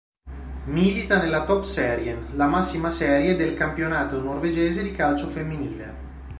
Milita nella Toppserien, la massima serie del campionato norvegese di calcio femminile.